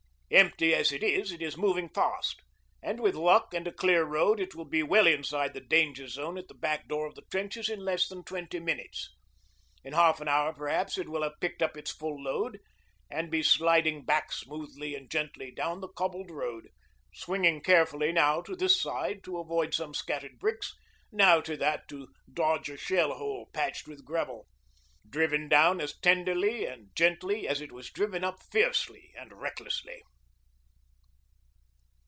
Empty as it is, it is moving fast, and with luck and a clear road it will be well inside the danger zone at the back door of the trenches in less than twenty minutes. In half an hour perhaps it will have picked up its full load, and be sliding back smoothly and gently down the cobbled road, swinging carefully now to this side to avoid some scattered bricks, now to that to dodge a shell hole patched with gravel, driven down as tenderly and gently as it was driven up fiercely and recklessly.